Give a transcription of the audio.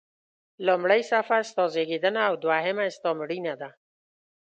لومړۍ صفحه ستا زیږېدنه او دوهمه ستا مړینه ده.